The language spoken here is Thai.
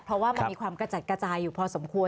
เพราะว่ามันมีความกระจัดกระจายอยู่พอสมควร